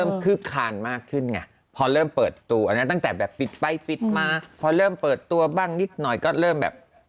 มากขึ้นไงพอเริ่มเปิดตัวบ้างนิดหน่อยก็เริ่มแบบ